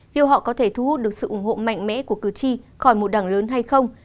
liệu họ có thể thu hút được sự ủng hộ mạnh mẽ của cử tri khỏi một đảng lớn hay không